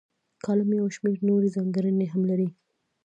کالم یو شمیر نورې ځانګړنې هم لري.